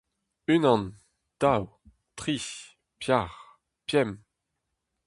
Unan ! daou ! tri ! pevar ! pemp !